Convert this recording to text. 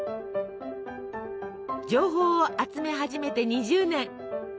情報を集め始めて２０年。